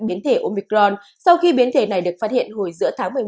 biến thể omicron sau khi biến thể này được phát hiện hồi giữa tháng một mươi một